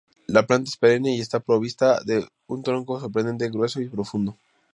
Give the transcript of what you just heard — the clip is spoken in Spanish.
La planta es perenne y está provista de un tronco sorprendentemente grueso y profundo.